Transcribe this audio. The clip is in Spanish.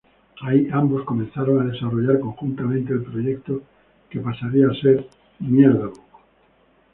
Ahí ambos comenzaron a desarrollar conjuntamente el proyecto que pasaría a ser Facebook.